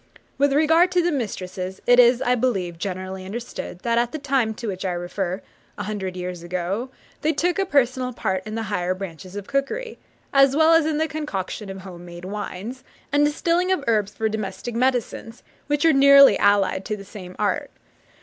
With regard to the mistresses, it is, I believe, generally understood, that at the time to which I refer, a hundred years ago, they took a personal part in the higher branches of cookery, as well as in the concoction of home made wines, and distilling of herbs for domestic medicines, which are nearly allied to the same art.